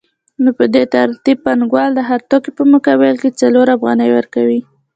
نو په دې ترتیب پانګوال د هر توکي په مقابل کې څلور افغانۍ ورکوي